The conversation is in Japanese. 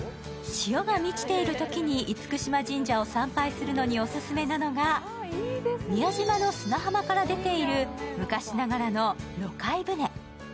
潮が満ちているときに厳島神社を参拝するときにオススメなのが宮島の砂浜から出ている昔ながらのろかい舟。